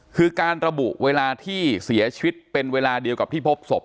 คือการระบุเวลาที่เสียชีวิตเป็นเวลาเดียวกับที่พบศพ